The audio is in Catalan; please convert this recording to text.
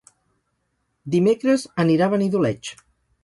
Dimecres anirà a Benidoleig.